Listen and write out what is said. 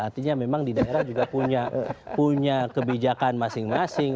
artinya memang di daerah juga punya kebijakan masing masing